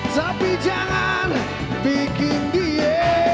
tapi jangan bikin dia